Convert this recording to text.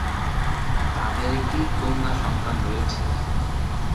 তাঁদের একটি কন্যা সন্তান রয়েছে।